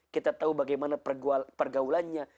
kita tahu bagaimana pergaulannya